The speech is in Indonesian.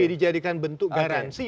dijadikan bentuk garansi